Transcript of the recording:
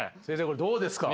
これどうですか？